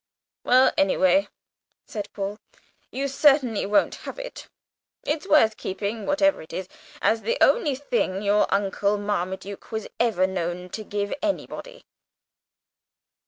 "Well, any way," said Paul, "you certainly won't have it. It's worth keeping, whatever it is, as the only thing your uncle Marmaduke was ever known to give to anybody."